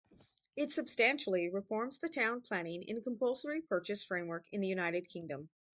It substantially reforms the town planning and compulsory purchase framework in the United Kingdom.